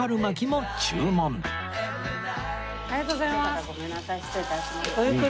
はーいありがとうございます。